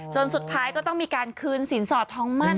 สุดท้ายก็ต้องมีการคืนสินสอดทองมั่น